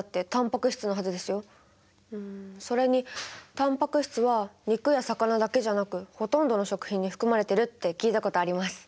うんそれにタンパク質は肉や魚だけじゃなくほとんどの食品に含まれているって聞いたことあります。